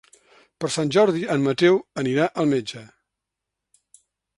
Per Sant Jordi en Mateu anirà al metge.